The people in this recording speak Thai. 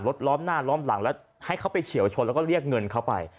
ล้อมหน้าล้อมหลังแล้วให้เขาไปเฉียวชนแล้วก็เรียกเงินเขาไป